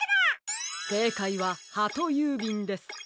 せいかいはハトゆうびんです。